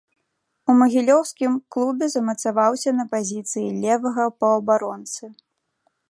У магілёўскім клубе замацаваўся на пазіцыі левага паўабаронцы.